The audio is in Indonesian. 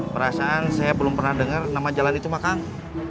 perasaan saya belum pernah dengar nama jalan itu mah kang